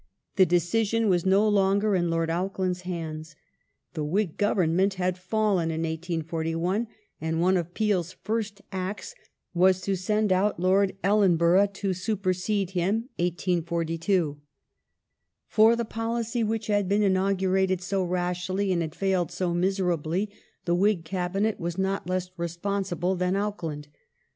The decision was by Lord no longer in Lord Auckland's hands. The Whig Government had borough fallen in 1841, and one of Peel's first acts was to send out Lord 1842 Ellenborough to supersede him (1842). For the policy which had been inaugurated so rashly and had failed so miserably the Whig Cabinet were not less responsible than Auckland.